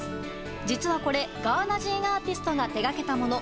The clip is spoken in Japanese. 実はこれガーナ人アーティストが手掛けたもの。